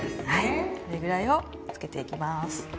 はいこれくらいをつけていきます。